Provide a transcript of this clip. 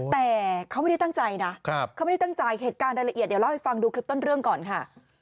แต่เขาไม่ได้ตั้งใจนะเขาไม่ได้ตั้งใจเหตุการณ์รายละเอียดเดี๋ยวเล่าให้ฟังดูคลิปต้นเรื่องก่อนค่ะ